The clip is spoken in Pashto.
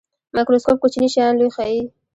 مایکروسکوپ کوچني شیان لوی ښيي